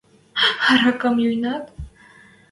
– Ӓрӓкӓм йӱнӓт?